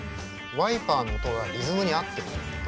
ワイパーの音がリズムに合ってると思って。